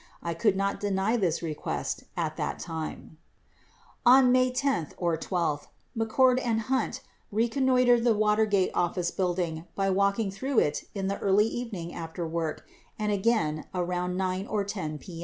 I could not deny this request at the time." 25 On May 10 or 12, McCord and Hunt reconnoitered the Watergate Office Building by walking through it in the early evening after work and, again, around 9 or 10 p.